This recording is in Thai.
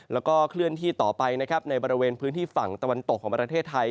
แล้วก็เคลื่อนที่ต่อไปนะครับในบริเวณพื้นที่ฝั่งตะวันตกของประเทศไทย